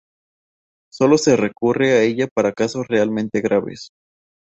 solo se recurre a ella para casos realmente graves